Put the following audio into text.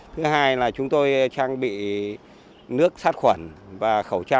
thứ hai là chúng tôi trang bị nước sát khuẩn và khẩu trang